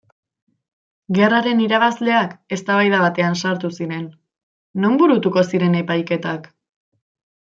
Gerraren irabazleak eztabaida batean sartu ziren: non burutuko ziren epaiketak?